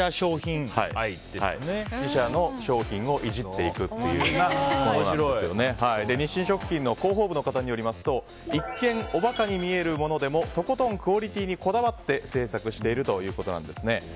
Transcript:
自社の商品をいじっていく日清食品の広報部の方によりますと一見お馬鹿に見えるものでもとことんクオリティーにこだわって制作しているということなんです。